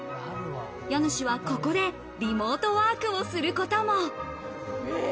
家主は、ここでリモートワークをすることも。